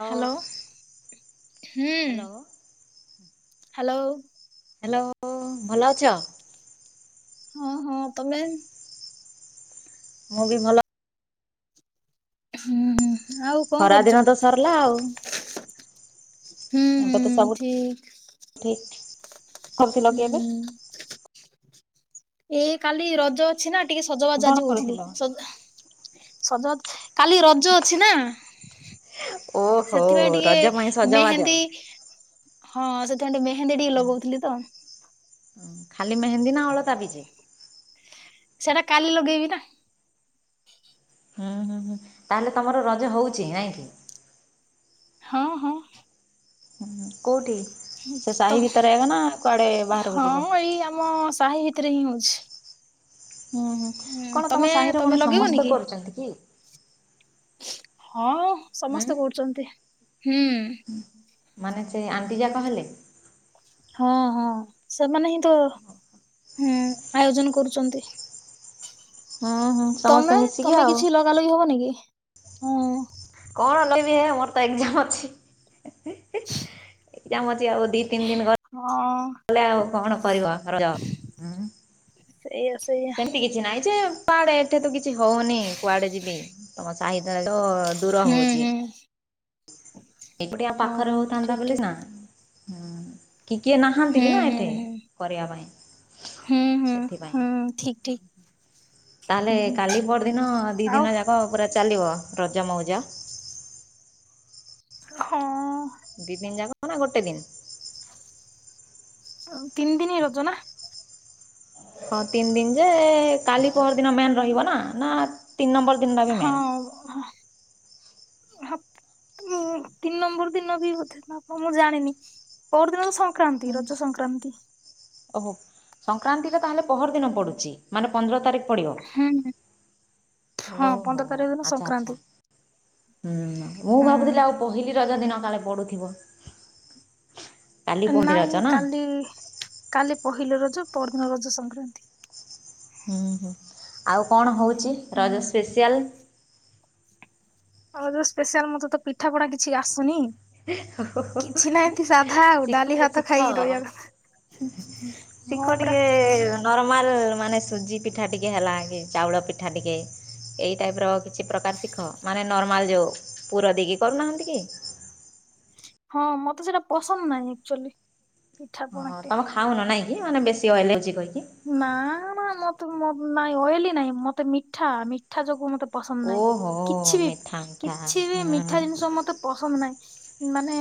ହଉ ହ୍ୟାଲୋ ହୁଁ। Hello. Hello. Hello ଭଲ ଅଛ। ହଁ ହଁ ତମେ? ମୁଁ ବି ଭଲ ହୁଁ ହୁଁ। ଆଉ କଣ ଖରା ଦିନ କରୁଛ ତ ସରିଲା ଆଉ ହୁଁ ହୁଁ ଠିକ ଠିକି [unintelligible] ଏବେ ଏଇ କାଲି ରଜ ଅଛି ନା ଟିକେ ସଜବାଜ କଣ ଆଜି ହଉଥିଲି କରୁଥିଲ? ସଜ ସଜବାଜ। କାଲି ରଜ ଅଛି ନା ଓହୋ ସେଥିପାଇଁ ଟିକେ ରଜ ପାଇଁ ସଜବାଜ ମେହେନ୍ଦୀ ହୁଁ ହଁ ସେଥିପାଇଁ ଟିକେ ମେହେନ୍ଦୀ ଟିକେ ଲଗଉଥିଲି ତ। ହଁ ଖାଲି ମେହେନ୍ଦୀ ନା ଅଳତା ବିି ସେଇଟା କାଲି ଲଗେଇବି ନା। ହୁଁ ହୁଁ ହୁଁ ତାହେଲେ ତମର ରଜ ହଉଛି ନାଇଁ। ହଁ ହଁ। ହୁଁ କୋଉଠି। ହୁଁ ସେ ସାହି ତମ୍ ଭିତରେ ଏବେ ନା କୁଆଡେ ବାହାରକୁ ଯିବ? ହଁ ଏଇ ଆମ ସାହି ଭିତରେ ହିଁ ହୋଉଛି। ହୁଁ ହୁଁ କଣ ତମେ ତମ ସାହିର ତମେ କଣ ଲଗେଇବନି ସମସ୍ତେ କି? କରୁଚନ୍ତି କି? ହଁ ହୁଁ ସମସ୍ତେ କରୁଚନ୍ତି ହୁଁ। ମାନେ ସେ ଆଣ୍ଟି ଯାକ ହେଲେ। ହଁ ହଁ ସେମାନେ ହିଁ ତ ହୁଁ ଆୟୋଜନ କରୁଚନ୍ତି। ହୁଁ ହୁଁ ସମସ୍ତେ ତମେ ମିଶିକି ତମେ ଆଉ କିଛି ଲଗା ଲଗି ହବନି କି ହଁ। କଣ ଲଗେଇବି ହେ ମୋର ତ ଏଗ୍ଜାମ୍ ଅଛି। ଏଗ୍ଜାମ୍ ଅଛି ଆଉ ଦି ତିନ ଗ ହଁ। ଲେ ଆଉ କଣ କରିବ ରଜ। ସେଇଆ ସେଇଆ ସେମିତି କିଛି ନାଇଁ ଯେ କୁଆଡେ ଏଠି ତ କିଛି ହଉନି କୁଆଡେ ଯିବି ତମ ଆଇଥାନ୍ତ ହୁଁ ହୁଁ। ଏକୁଟିଆ ପାଖରେ ହଁ ହୋଉଥାନ୍ତା ଠିକ ବୋଲି ଠିକ। ନାଁ କି କିଏ ନାହାନ୍ତି ହୁଁ ବି ନା ହୁଁ ଏଠି ହୁଁ କରିବା ପାଇଁ ହୁଁ ହୁଁ ସେଥିପାଇଁ। ହୁଁ ଠିକ ଠିକ ହୁଁ ତାହେଲେ ହୁଁ କାଲି ପରଦିନ ଦି ଆଉ ଦିନ ଯାକ ପୁରା ଚାଲିବ ରଜ ମୋଉଜ। ହଁ। ଦି ଦିନ୍ ଯାକ ନା ଗୋଟେ ଦିନ୍? ଆଉ ତିନ୍ ଦିନ୍ ରଜ ନା। ହଁ ତିନ୍ ଦିନ୍ ଯେ କାଲି ପହର୍ ଦିନ ମେନ୍ ରହିବ ନା ମେନ୍ ରହିବନା ତିନ୍ ନମ୍ବର୍ ଦିନଟା ବି ହଁ। ହଁ ତିନ୍ ନମ୍ବର୍ ଦିନ ବି ବୋଧେ ନବ ମୁଁ ଜାଣିନି। ପହର୍ଦିନ ତ ସଂକ୍ରାନ୍ତି ରଜ ସଂକ୍ରାନ୍ତି। ଓହୋ ସଂକ୍ରାନ୍ତି ଟା ତାହେଲେ ପହର୍ ଦିନ ପଡୁଛି। ମାନେ ପନ୍ଦର ତାରିଖ୍ ପଡ଼ିବ ହୁଁ ହଁ ଓହୋ ପନ୍ଦର ତାରିଖ ଦିନ ଆଚ୍ଛା ସଂକ୍ରାନ୍ତି ଆଚ୍ଛା। ହୁଁ ମୁଁ ହୁଁ। ଭାବୁଥିଲି ଆଉ ପହିଲି ରଜ ଦିନ କାଳେ ପଡୁଥିବ। ନାହିଁ କାଲି କାଲି ପହିଲି ରଜ ପର ଦିନ ରଜ ସଂକ୍ରାନ୍ତି। ହୁଁ ହୁଁ ଆଉ କଣ ହଉଛି ରଜ ହୁଁ। ସ୍ପେସିଆଲ୍? ଆଉ ଯୋଉ ସ୍ପେଶିଆଲ ମତେ ତ ପିଠା ପଣା କିଛି ଆସୁନି। କିଛି ନା ଏମ୍ତି ସାଧା ଆଉ ଶିଖ ଡାଲି ଏ ଭାତ ଶିଖ ଖାଇକି ରହିବା କଥା। ହଁ ଶିଖ ପରା ଟିକେ ନରମ୍ ମାଲ୍ ମାନେ ସୁଜି ପିଠା ଟିକେ ହେଲା କି ଚାଉଳ ପିଠା ଟିକେ ଏଇ ଟାଇପ ର ଛି ପ୍ରକାର ଶିଖ ମାନେ ନର୍ମାଲ୍ ଯୋଉ ପୁର ଦେଇକି କରୁନାହାନ୍ତି କି। ହଁ ମତେ ସେଇଟା ପସନ୍ଦ୍ ନାହିଁ ଆକ୍ଚୁଆଲି। ପିଠା ପଣା ହଁ ଟେ ତମେ ଖାଉନ ନାଇଁ କି ମାନେ ବେଶୀ ଏଲର୍ଜି କହିକି? ନାଁ ନାଁ ମତେ ମ ନାଇଁ ଅଏଲି ନାଇଁ ମତେ ମିଠା ମି ଠା ଯୋଗୁ ମତେ ପସନ୍ଦ୍ ନାହିଁ ଓହୋ କିଛି ବି ମିଠା ମିଠା କିଛି ବି ହୁଁ। ମିଠା ଜିନିଷ ମତେ ପସନ୍ଦ୍ ନାହିଁ ମାନେ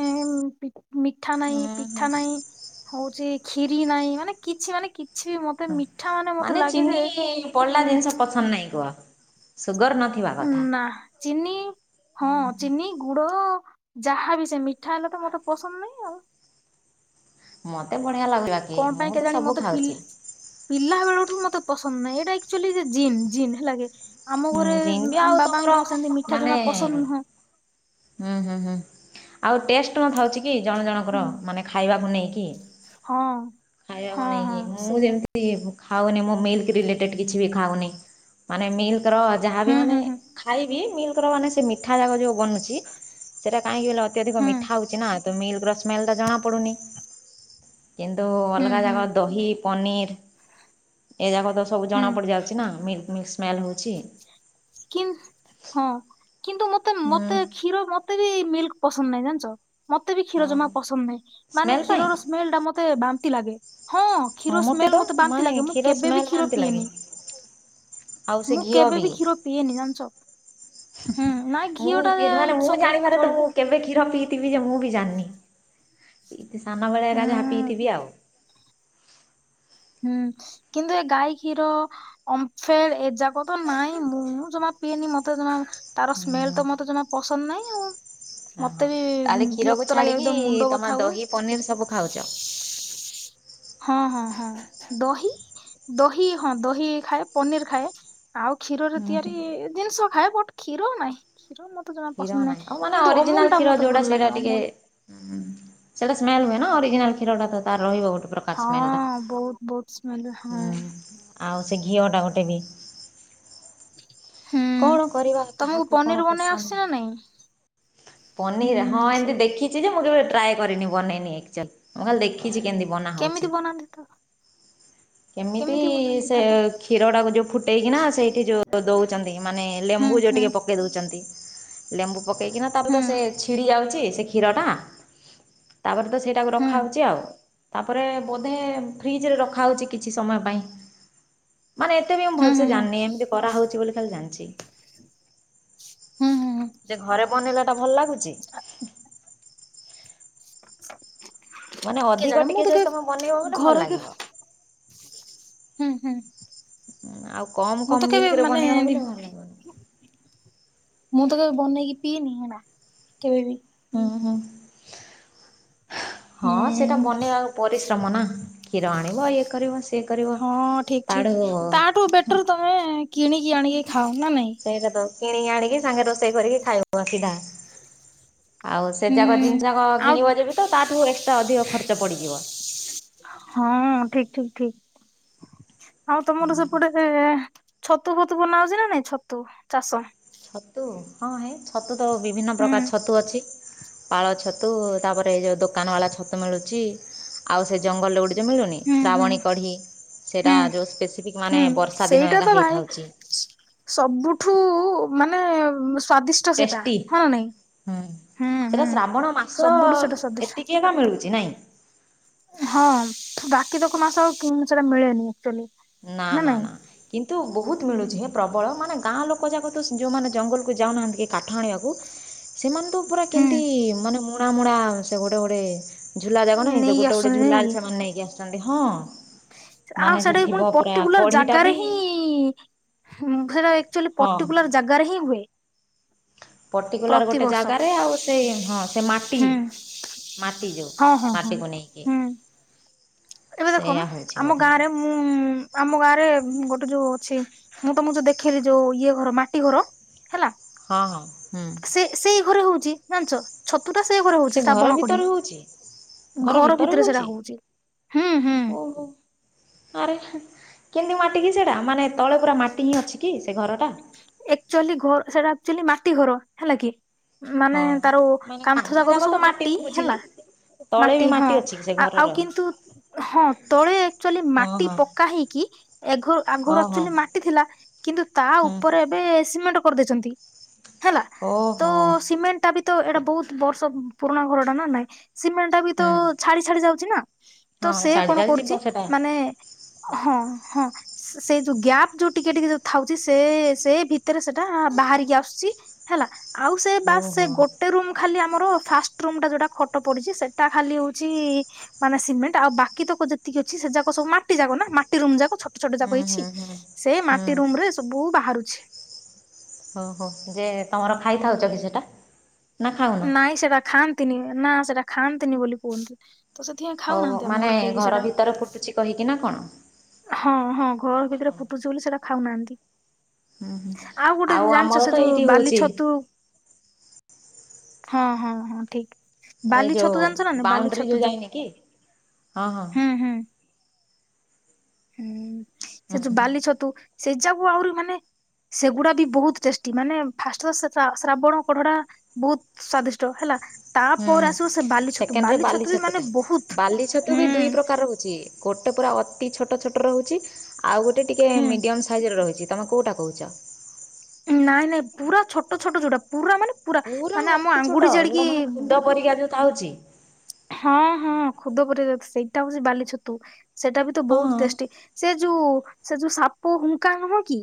ପି ମିଠା ନାଇଁ ହୁଁ ପିଠା ହୁଁ। ନାହିଁ। ହୋଉଚି କ୍ଷୀରି ନାହିଁ ମାନେ କିଛି ମାନେ କିଛି ବି ମ ମାନେ ଚିନି ପଡିଲା ଉଁ ଜିନ୍ଷ ପସନ୍ଦ୍ ନାହିଁ କୁହ ସୁଗର୍ ନ ଉ ନା ଚିନି ହଁ ଚିନି ଗୁଡ ଯାହାବି ସେ ମିଠା ହେଲେ ତ ମତେ ପସନ୍ଦ୍ ନାଇଁ ଆଉ। ମତେ ବଢିଆ ଲାଗିବା କଣ ପାଇଁ କେଜାଣି ମତେ ପିଲା ପିଲା ବେଳଠୁ ମତେ ପସନ୍ଦ୍ ନାହିଁ ଏଇଟା ଆକ୍ଚୁଲି ଜିମ୍ ଜିନ୍ ହେଲା କି। ଆମ ହୁଁ ଘରେ ଜିନ୍ ବି ଆମ ଆଉ ତମର ବାବାଙ୍କୁ ସେମିତି ମିଠା ମାନେ ଜମା ପସନ୍ଦ ନୁହଁ। ହୁଁ ହୁଁ ହୁଁ ଆଉ ଟେଷ୍ଟ [unintelligible] ଥାଉଛି କି ଜଣ ଜଣଙ୍କର ହୁଁ ମାନେ ଖାଇବାକୁ ନେଇକି। ହଁ ଖାଇବାକୁ ହଁ ହଁ ନେଇକି ମୁଁ ସେଇଆ ଯେମତି ଖାଉନି ମୋ ମିଲ୍କ ରିଲେଟେଡ କିଛି ବି ଖାଉନି। ମାନେ ମିଲ୍କର ଯାହାବି ହୁଁ ମାନେ ହୁଁ ହୁଁ ଖାଇବି ମିଲ୍କର ମାନେ ସେ ମିଠା ଯାକ ଯୋଉ ବନୁଛି। ସେଟା କାହିଁକି ବଲେ ଅତ୍ୟଧିକ ହୁଁ ମିଠା ହଉଛି ନା ତ ମିଲ୍କର ସ୍ମେଲ ଟା ଜଣା ପଡୁନି। କିନ୍ତୁ ହୁଁ ଅଲଗା ହୁଁ ଯାକ ଦହି ପନିର୍। ଏଯାକ ତ ସବୁ ହୁଁ ଜଣା ପଡି ଯାଉଛି ନା ମିଲ୍କ ମିଲ୍କ ସ୍ମେଲ ହଉଛି। କି ହଁ କିନ୍ତୁ ମତେ ହୁଁ ମତେ କ୍ଷୀର ମତେ ବି ମିଲ୍କ ପସନ୍ଦ ନାହିଁ ଜାଣିଛ ମତେ ବି କ୍ଷୀର ଜମା ଓହୋ ପସନ୍ଦ ନାହିଁ ମାନେ ସ୍ମେଲ୍ ପାଇଁ କ୍ଷୀରର ସ୍ମେ ସ୍ମେଲ ଟା ମତେ ବାନ୍ତି ଲାଗେ। ହଁ ହଁ କ୍ଷୀର ମୋତେ ତ ସ୍ମେଲ ମତେ ବାନ୍ତି ମାନେ ଲାଗେ ମୁଁ କ୍ଷୀର କେବେବି ସ୍ମେଲ୍ କ୍ଷୀର ବାନ୍ତି ଲାଗେ ପିଏନି। ଆଉ ସେ ମୁଁ ଘିଅ ବି କେବେବି କ୍ଷୀର ପିଏନି ଜାଣିଛ। ହୁଁ ନାଇଁ ମୁଁ ଘିଅ ଟା ମାନେ ମୁଁ ଇଟ୍ସ୍ ଓକେ ଜାଣିବାରେ ତ ମୁଁ ଚଳିବ। କେବେ କ୍ଷୀର ପିଇଥିବି ଯେ ମୁଁ ବି ଜାଣିନି ସାନବେଳେ ହୁଁ ଏକା ଯାହା ପିଇଥିବି ଆଉ। ହୁଁ କିନ୍ତୁ ଏ ଗାଈ କ୍ଷୀର। ଅମ୍ଫେଡ ଏଯାକ ତ ନାଇଁ ମୁଁ ଜମା ପିଏନି ମତେ ଜମା ତାର ହୁଁ ସ୍ମେଲ ତ ମତେ ଜମା ପସନ୍ଦ ନାହିଁ ଆଉ। ଓହୋ ମତେ ବି ତାହେଲେ କ୍ଷୀରକୁ ବିରକ୍ତ ଲାଗେ ଛାଡିକି ଏକଦମ ମୁଣ୍ଡ ତମେ ବଥା ହୁଏ। ଦହି ପନିର ସବୁ ଖାଉଛ? [unintelligible] ହଁ ହଁ ହଁ ଦହି ଦହି ହଁ ଦହି ଖାଏ ପନିର ଖାଏ। ଆଉ କ୍ଷୀରରେ ହୁଁ ହୁଁ ତିଆରି ଜିନିଷ ଖାଏ ବଟ କ୍ଷୀର ନାହିଁ। କ୍ଷୀର ମତେ ଜମା କ୍ଷୀର ପସନ୍ଦ ନାହିଁ ଆଉ ମାନେ କିନ୍ତୁ ଅମୁଲ ଟା ମତେ ଭଲ ଲାଗେ ଅମୁଲ। ହୁଁ ସେଇଟା ସ୍ମେଲ ହୁଏ ନା ଅରିଜିନାଲ କ୍ଷୀରଟା ତାର ରହିବ ଗୋଟେ ପ୍ରକାର। ହଁ ବହୁତ ବହୁତ ସ୍ମ ହଁ ଆଉ ସେ ଘିଅଟା ଗୋଟେ ବି। ହୁଁ କଣ କରିବା ତମକୁ କାହାକୁ କଣ ପନିର ବନେଇ ଆସୁଛି ପସନ୍ଦ ନା ନାଇଁ? ପନିର ହଁ ହୁଁ ଏମିତି ସେଇ ଦେଖି ଦେଖିଛି ଯେ ମୁଁ କେବେ ଟ୍ରାଏ କରିନି ବନେଇନି [unintelligible] ମୁଁ ଖାଲି ଦେଖିଛି କେମିତି ବନା କେମିତି ହଉଛି। ବନାନ୍ତି ତ କେମିତି ବନାନ୍ତି ସେ ତାକୁ କ୍ଷୀରଟାକୁ ଯୋଉ ଫୁଟେଇକିନା ସେଇଠି ଯୋଉ ଦଉଛି। [unintelligible] ମାନ ହୁଁ ଲେମ୍ବୁ ଯୋଉ ହୁଁ ଟିକେ ପକେଇ ଦଉଛନ୍ତି। ଲେମ୍ବୁ ପକେଇକିନା ତାପରେ ହୁଁ ତ ସେ ଛିଡ଼ି ଯାଉଛି ସେ କ୍ଷୀରଟା। ତାପରେ ତ ସେଇଟାକୁ ହୁଁ ରଖାହଉଛି ଆଉ। ତାପରେ ବୋଧେ ଫ୍ରିଜ ରେ ରଖାହଉଛି କିଛି ସମୟ ପାଇଁ। ମାନେ ଏତେ ବି ମୁଁ ହୁଁ ଭଲସେ ହୁଁ ହୁଁ ଜାଣିନି ଏମିତି କରାହଉଛି ବୋଲି ଖାଲି ଜାଣିଛି। ହୁଁ ହୁଁ ହୁଁ ଯେ ଘରେ ବନେଇଲା ଟା ଭଲ ଲାଗୁଛି। ମାନେ କେ ଅଧିକ ଜାଣେ ଟିକେ ମୁଁ ତ ଯଦି ତୁମେ ବନେଇବ କେବେ ବୋଲେ ଭଲ ଘରେ କି ଲାଗିବ ହୁଁ ହୁଁ ହୁଁ ଆଉ କ ମୁଁ ତ କେବେ ମାନେ ମୁଁ ତ କେବେ ବନେଇକି ପିଇନି ହେନା କେବେ ବି। ହଁ ହଁ ହଁ ସେଇଟା ହୁଁ ବନେଇବା ପରିଶ୍ରମ ନା କ୍ଷୀର ଆଣିବ ଇଏ କରିବ ସିଏ କରିବ। ହଁ ଠିକ ତାଠୁ ଠିକ ତାଠୁ ବେଟର ତମେ କିଣିକି ଆଣିକି ଖାଅ ନା ନାଇଁ। ସେଇଟା ତ କିଣିକି ଆଣିକି ସାଙ୍ଗେ ରୋଷେଇ କରିକି ଖାଇବ ସିଧା। ଆଉ ସେ ଯାକ ହୁଁ ଜିନିଷ ଯାକ ଆଉ କିଣିବ ଯଦି ତ ତାଠୁ ଏକ୍ସଟ୍ରା ଅଧିକ ଖର୍ଚ୍ଚ ପଡିଯିବ। ହଁ ଠିକ୍ ଠିକ୍ ଠିକ୍। ଆଉ ତମର ସେପଟେ ଏ ଛତୁ ଫତୁ ବନା ହଉଛି ନା ନାଇଁ ଛତୁ ଚାଷ। ଛତୁ ହଁ ହେ ଛତୁ ତ ବିଭିନ୍ନ ହୁଁ ପ୍ରକାର ଛତୁ ଅଛି। ପାଳ ଛତୁ ତାପରେ ଏ ଯୋଉ ଦୋକାନ ବାଲା ଛତୁ ମିଳୁଛି ଆଉ ସେ ଜଙ୍ଗଲରେ ଗୁଟେ। ଯୋଉ ମିଳିନି ହୁଁ ହୁଁ ଶ୍ରାବଣୀ କଢ଼ି ସେଇଟା ହୁଁ। ଯୋଉ ସ୍ପେସିଫିକ୍ ହୁଁ ମାନେ ବର୍ଷା ଦିନ ସେଇଟା ଏକା ତ ହେଇ ଭାଇ ଥାଉଛି। ସବୁଠୁ ମାନେ ସ୍ଵାଦିଷ୍ଟ ସେଟା ଟେଷ୍ଟି। ହ ନାଇଁ। ହୁଁ ହୁଁ ସେଇଟା ହୁଁ। ଶ୍ରାବଣ ମାସ ସବୁଠୁ ସେଟା ସ୍ଵାଦିଷ୍ଟ ଏତିକି ଏକା ମିଳୁଛି ନାଇଁ। ହଁ ବାକି ତକ ମାସ ସେଇଟା ମିଳେନି ଆକ୍ଚୁଆଲି। ନା ନା ନା। କିନ୍ତୁ ବହୁତ ମିଳୁଛି ହେ ପ୍ରବଳ ମାନେ ଗାଁ ଲୋକ ଯାକ ତ ଯୋଉ ମାନେ ଜଙ୍ଗଲକୁ ଯାଉନାହାନ୍ତି କି କାଠ ହାଣିବାକୁ। ସେମାନେ ତ ପୁରା ହୁଁ। କେମତି ମାନେ ମୁଣା ମୁଣା ସେ ଗୋଟେ ଗୋଟେ। ଝୁଲା ଯାକ ନାଁଇ ସେ ନେଇକି ଗୋଟେ ଗୋଟେ ଆସୁଛନ୍ତି ନାଇଁ ଝୁଲା କି? ରେ ସେମାନେ ନେଇକି ଆସିଛନ୍ତି ହଁ। ଆଉ ମାନେ ସେଇଟା ସେ ବି ଥିବ ପୁଣି ପୁରା ପର୍ଟିକୁଲାର କଢିଟା ଜାଗାରେ ବି ହିଁ ହୁଁ ସେଇଟା। ଆକ୍ଚୁଆଲି ହଁ ପର୍ଟିକୁଲାର ଜାଗାରେ ହିଁ ହୁଏ। ପର୍ଟିକୁଲାର ଗୋଟେ ପ୍ରତିବର୍ଷ ଜାଗାରେ ଆଉ ସେ ହଁ ସେ ମାଟି। ମାଟି ଯୋଉ ହଁ ହଁ ହଁ ମାଟିକୁ ନେଇକି। ଏବେ ଦେଖମ୍ ସେଇଆ ହେଉଛି ଆମ ବୋଧେ ଗାଁରେ ମୁଁ ଆମ ଗାଁରେ ଗୋଟେ ଯୋଉ ଅଛି। ମୁଁ ତମକୁ ଯୋଉ ଦେଖେଇଲିି ଯୋଉ ଇଏ ଘର ମାଟି ଘର ହେଲା। ହଁ ହଁ ହୁଁ। ସେ ସେଇ ଘରେ ହଉଛି ଜାଣିଛ ଛତୁ ଟା ସେ ଘରେ ହଉଛି ଘର ଶ୍ରାବଣ କଡି। ଭିତରେ ହଉଛି ଘର ଭିତରେ ସେଇଟା ହଉଛି ହୁଁ ହୁଁ। ଓହୋ। ଆରେ କେମିତି ମାଟ କିି ସେଇଟା ମାନେ ତଳେ ପୁରା ମାଟି ହିଁ ଅଛି କି ସେ ଘରଟା। ଏକ୍ଚୁଆଲି ଘର ସେଟା ଆକ୍ଚୁଆଲି ମାଟି ଘର ହେଲା କି। ମାନେ ହଁ ତାରୋ କାନ୍ଥ ଯାକ ତ ସବୁ ମାଟି ହେଲା। ତଳେ ମାଟି ବି ହଁ ଅଛି କି ସେ ଆଉ ଘରର? କିନ୍ତୁ ହଁ ତଳେ ଆକ୍ଚୁଆଲି ହଁ ମାଟି ହଁ ପକା ହେଇକି। ଏଘ ଉ ଆଗରୁ ଓହୋ ଆକ୍ଚୁଲି ମାଟି ଥିଲା କିନ୍ତୁ ତା ହୁଁ ଉପରେ। ଏବେ ସିମେଣ୍ଟ କରି ଦେଇଛନ୍ତି ହେଲା ତ ଓହୋ ସିମେଣ୍ଟ ଟା ବି। ତ ଏଇଟା ବହୁତ ବର୍ଷ ପୁରୁଣା ଘରଟା ନା ନାଇଁ ସିମେଣ୍ଟ ଟା ବି ତ ହୁଁ। ଛାଡି ଛାଡି ଯାଉଛି ନା। ତ ହଁ ସେ ଛାଡି କଣ ଛାଡି କରୁଛି ଯିବ ସେଟା ମାନେ। ହଁ ହଁ ସେ ସେ ଯୋଉ ଗ୍ୟାପ୍ ଯୋଉ ଟିକେ ଟିକେ ଯୋଉ ଥାଉଛି ସେ। ସେ ଭିତରେ ସେଇଟା ବାହାରିକି ଆସୁଛି ହେଲା ଆଉ ସେ ବାସ୍ ସେ ଓହୋ ଗୋ ଗୋଟେ ରୁମ୍ ଖାଲି ଆମର ଫାଷ୍ଟ ରୁମ୍ଟା ଯୋଉ ଟା ଖଟ ପଡ଼ିଛି ସେଟା ଖାଲି ହଉଛି। ମାନେ ସିମେଣ୍ଟ ଆଉ ବାକି ତକ ଯେତିକି ଅଛି ସେ ଯା କ ସବୁ ମାଟି ଯାକ ନା ମାଟି ରୁମ ଯାକ ଛୋ ଟ ଛୋଟ ହୁଁ ଯାକ ହୁଁ ହେଇଛି ହୁଁ। ସେ ହୁଁ ମାଟି ରୁମ ରେ ସବୁ ବାହାରୁଛି। ଓ ହୋ ଯେ ତମର ଖାଇ ଥାଉଛ କି ସେଟା। ନା ଖାଉନ ନାଇଁ ସେଟା ଖାଆନ୍ତିନି ନା ସେଟା ଖାଆନ୍ତିନି ବୋଲି କୁହନ୍ତି। ତ ସେଥିପାଇଁ ଓହୋ ଖାଉନାହାନ୍ତି ଆମ ମାନେ ଘର କେହି ବି ସେଇଟା। ଭିତରେ ଫୁଟୁଛି କହିକି ନା କଣ? ହଁ ହଁ ଘର ନା ଭିତରେ କଣ? ଫୁଟୁଛି ବୋଲି ସେଟା ଖାଉନାହାନ୍ତି। ହୁଁ ହୁଁ ଆଉ ଗୋଟେ ଆମର ଜାଣିଛ ସେ ତ ଯୋଉ ଏଇଠି ବାଲି ହଉଛି ଛତୁ। ହଁ ହଁ ହଁ ଠିକ୍। ଏ ବାଲି ଯୋଉ ଛତୁ ଜାଣିଛ ନା ନାଇଁ ବାଲି ବାଉଣ୍ଡ୍ରି ଛତୁ ଯୋଉ ଯାଇନି କି ହଁ ହଁ ହୁଁ ହୁଁ। ହୁଁ ସେ ହୁଁ ଯୋଉ ବାଲି ଛତୁ ସେ ଯାକୁୁ ଆହୁରି ମାନେ। ସେଗୁଡା ବି ବହୁତ ଟେଷ୍ଟି ମାନେ ଫାଷ୍ଟ ତ ଶ ଶ୍ରା ଶ୍ରାବଣ କଢଡା ବହୁତ୍ ସ୍ଵାଦିଷ୍ଟ ହେଲା। ହୁଁ ତାପରେ ଆସିବ ସେ ବାଲି ଛତୁ ସେକେଣ୍ଡରେ ବାଲି ଛତୁ ରେ ଛତୁଟା ମାନେ ବହୁତ୍ ବାଲି ଛତୁ ବି ହୁଁ ଦୁଇ ପ୍ରକାର ଗୋଟେ ପୁରା ଅତି ଛୋଟ ଛୋଟ ରହୁଛି। ଆଉ ଗୋଟେ ଟିକେ ହୁଁ ମିଡିମ୍ ସାଇଜରେ ରହିଛି, ତମେ କେଉଁଟା କହୁଛ? ନାଇଁ ନାଇଁ ପୁରା ଛୋଟ ଛୋଟ ଯୋଉଟା, ପୁରା ମାନେ ପୁରା ମାନେ ଆମ ଅତି ଛୋଟ, ଆଙ୍ଗୁଠି ଜାଡିକି ହେରା ମାନେ କୁଦ ପରିକା ଯୋଉ ତାଉଚି। ହଁ ହଁ ଖୁଦ ପରି ଦୁସେ ସେଇଟା ହଉଛି ବାଲି ଛତୁ, ସେଇଟା ବିତ ହଁ ବହୁତ ଟେଷ୍ଟି। ହଁ ସେ ଯୋଉ ସେ ଯୋଉ ସାପ ହୁଙ୍କା ନୁହଁ କି?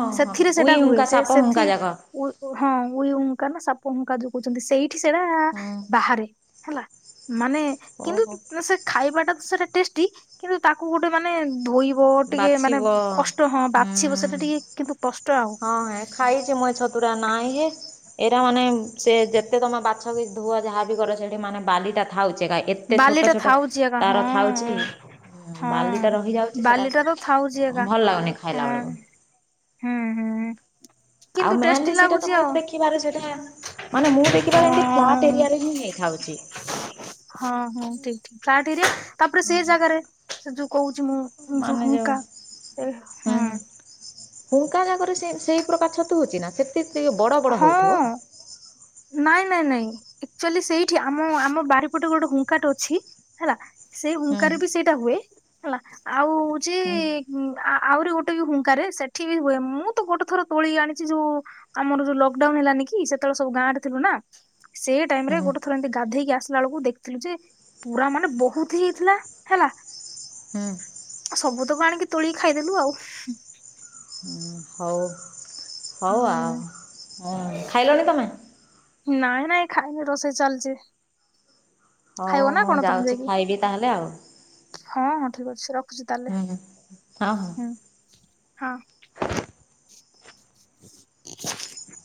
ହଁ ହଁ ସେଥିରେ ସେଟା ଉଇ ହୁଏ, ହୁଙ୍କା ସେ ସାପ ସେଥି ହୁଙ୍କା ଯାକ ଉ ହଁ ଉଇ ହୁଙ୍କା ନା ସାପ ହଙ୍କା ଯୋଉ କହୁଛନ୍ତି, ସେଇଠି ସେଇଟା ହୁଁ ବାହାରେ ହେଲା। ମାନେ ଓହୋ କିନ୍ତୁ ସେ ଖାଇବାଟା ତ ସେଟା ଟେଷ୍ଟି କିନ୍ତୁ ତାକୁ ଗୋଟେ ମାନେ ଧୋଇ ବ ଟିକେ ମାନେ ବାଛିବ କଷ୍ଟ ହଁ, ବାଛିବ ସେଟା ହୁଁ ଟିକେ କିନ୍ତୁ କଷ୍ଟ ଆଉ କି ମ ଛତୁରା ନାଇଁ ହେ ଏଇରା ମାନେ ସେ ଯେତେ ତମ ବାଛ ବି ଧୁଆ ଯାହାବି କର ସେଠି ମାନେ ବାଲିଟା ଥାଉଛେ କାଏ ଏତେ ଛୋଟ ବାଲିଟା ଛୋଟ ଥାଉଛି ଏକା ହଁ ତାର ଥାଉଛିଁ ହଁ ବାଲିଟା ରହିଯାଉଛି ସେରା ବାଲିଟା ତ ଥାଉଛି ଏକା ଭଲ ଲାଗୁନି ହଁ ଖାଇଲା ବେଳକୁ। ହୁଁ ହୁଁ। କିନ୍ତୁ ଆଉ ଟେଷ୍ଟି ମେନଲି ସେଇଟା ତ ଲାଗୁଛି ମୁଁ ଆଉ ଦେଖିବାରେ ସେଇଟା ମାନେ ମୁଁ ଦେଖିାବାରେ ଏମିତି ହଁ ଫ୍ଲାଟ୍ ଏରିଆରେ ହିଁ ହେଇଥାଉଛି। ହଁ ହଁ ଠିକ ଠିକ ଫ୍ଲାଟ ଏରିଆ, ତାପରେ ସେ ଜାଗାରେ ସେ ଯୋଉ କହୁଛି ମୁଁ ଯୋଉ ହୁଙ୍କା ସେ ହୁଁ ହୁଙ୍କା ଜାଗରେ ସେଇ ସେଇ ପ୍ରକାର ଛତୁ ହଉଛି ନା, ସେ ଟିକିଏ ବଡ଼ ବଡ଼ ହଁ ହଉଥିବ ନାଇଁ ନାଇଁ ନାଇଁ। ଆଚୁଆଲି ସେଇଠି ଆମ, ଆମ ବାରିପଟେ ଗୋଟେ ହୁଙ୍କାଟେ ଅଛି। ହେଲା, ସେଇ ହୁଁ ହୁଙ୍କାରେ ବି ସେଇଟା ହୁଏ ହେଲା। ଆଉ ହଉଚି ହୁଁ ଆହୁରି ଗୋଟେ ବି ହୁଙ୍କାରେ ସେଠି ବି ହୁଏ। ମୁଁ ତ ଗୋଟେ ଥର ତୋଳି ଆଣିଛି ଯୋଉ ଆମର ଯୋଉ ଲକ୍ ଡାଉନ୍ ହେଲାନି କି, ସେତେବେଳେ ସବୁ ଗାଁରେ ଥିଲୁ ନା। ସେଇ ଟାଇମ ରେ ଗୋଟେ ହୁଁ ଥର ଏମତି ଗାଧେଇକି ଆସିଲା ବେଳକୁ ଦେଖିଥିଲୁ ଯେ ପୁରା ମାନେ ବହୁତ ହେଇଥିଲା ହେଲା। ସବୁ ତକ ଆଣିକି ତୋଳିକି ଖାଇଦେଲୁ ଆଉ। ହୁଁ ହଉ ହଉ ଆଉ ହୁଁ ହ, ଖାଇଲଣି ତମେ? ନାଇଁ ନାଇଁ ଖାଇନି ରୋଷେଇ ଚାଲଛି। ହଉ ମୁଁ ଯାଉଛି ଯାଇକି? ଖାଇବି ତାହେଲେ ଆଉ। ହଁ ହଁ ଠିକ ଅଛି ରଖୁଛି ତାହେଲେ, ହୁଁ ହଁ ହଁ ହୁଁ ହଁ [inaudible]